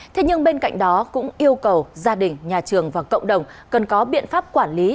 thế nhưng bên cạnh đó cũng yêu cầu gia đình nhà trường và cộng đồng cần có biện pháp quản lý